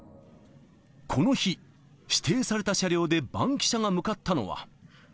この日、指定された車両でバンキシャが向かったのは。